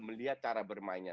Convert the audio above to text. melihat cara bermainnya